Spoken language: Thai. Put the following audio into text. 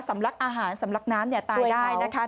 ลักอาหารสำลักน้ำตายได้นะคะ